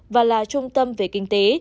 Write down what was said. và là trung tâm về kinh tế